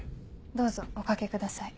どうぞお掛けください。